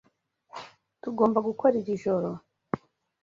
Tugomba gukora iri joro?